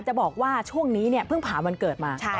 จะบอกว่าช่วงนี้เนี่ยเพิ่งผ่านวันเกิดมา